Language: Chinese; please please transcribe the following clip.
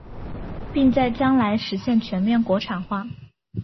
并在将来实现全面国产化。